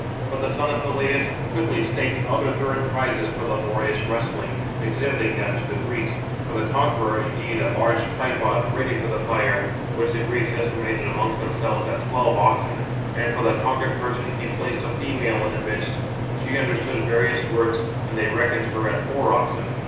But the son of Peleus quickly staked other third prizes for laborious wrestling, exhibiting [them] to the Greeks; for the conqueror, indeed, a large tripod, ready for the fire, 768 which the Greeks estimated amongst themselves at twelve oxen; and for the conquered person he placed a female in the midst. She understood various works, and they reckoned her at four oxen.